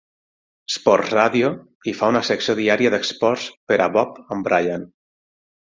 Sports Radio i fa una secció diària d'esports per a Bob and Brian.